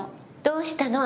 どうしたの？